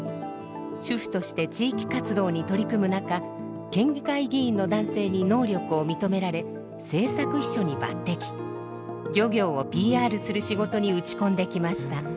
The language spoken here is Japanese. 主婦として地域活動に取り組む中県議会議員の男性に能力を認められ漁業をＰＲする仕事に打ち込んできました。